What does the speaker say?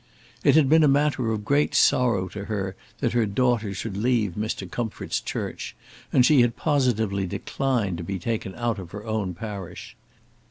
It had been matter of great sorrow to her that her daughter should leave Mr. Comfort's church, and she had positively declined to be taken out of her own parish.